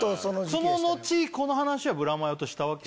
その後この話はブラマヨとしたわけ？